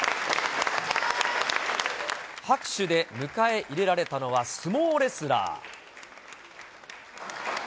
拍手で迎え入れられたのはスモウレスラー。